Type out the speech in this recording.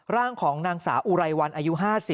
ร่างของนางสาวอุไรวันอายุ๕๐